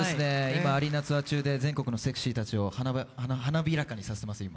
今、アリーナ中で、全国のセクシーたちを花びらかにさせていますよ。